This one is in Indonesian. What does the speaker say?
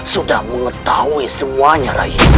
sudah mengetahui semuanya